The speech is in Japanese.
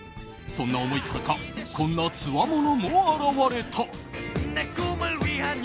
そんな思いからかこんなつわものも現れた。